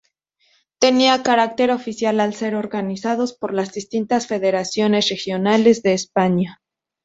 Tenían carácter oficial al ser organizados por las distintas federaciones regionales de España.